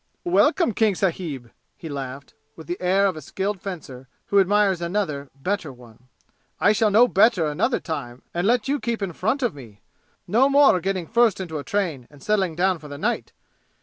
"Welcome, King sahib!" he laughed, with the air of a skilled fencer who admires another, better one. "I shall know better another time and let you keep in front of me! No more getting first into a train and settling down for the night!